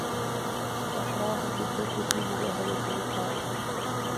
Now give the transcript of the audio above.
وَأَحْرَاهُمْ بِالظَّفَرِ فِي مُجَاهَدَتِهِ ؟ قَالَ